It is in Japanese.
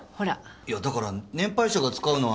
いやだから年配者が使うのは。